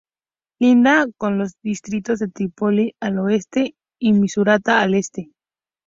Linda con los distritos de Trípoli al oeste y Misurata al este.